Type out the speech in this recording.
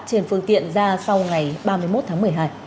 trên phương tiện ra sau ngày ba mươi một tháng một mươi hai